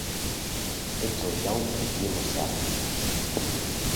Ets el Jaume Vila Serra.